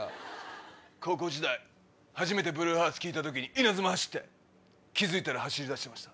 高校時代初めてブルーハーツ聴いた時稲妻走って気付いたら走りだしてました。